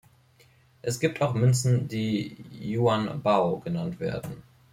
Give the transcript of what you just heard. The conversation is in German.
Es gibt auch Münzen, die Yuan Bao genannt werden.